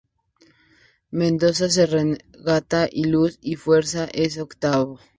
Mendoza de Regatas y Luz y Fuerza, en octavos.